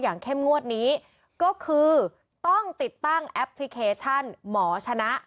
เข้มงวดนี้ก็คือต้องติดตั้งแอปพลิเคชันหมอชนะ